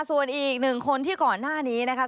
ส่วนอีก๑คนที่ก่อนหน้านี้นะครับ